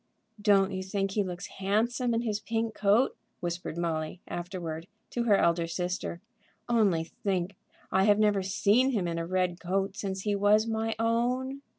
"Don't you think he looks handsome in his pink coat?" whispered Molly, afterward, to her elder sister. "Only think; I have never seen him in a red coat since he was my own.